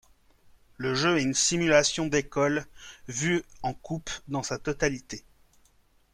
Le jeu est une simulation d'école, vue en coupe dans sa totalité.